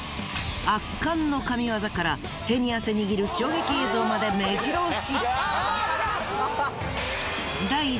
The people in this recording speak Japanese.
圧巻の神業から手に汗握る衝撃映像まで目白押し！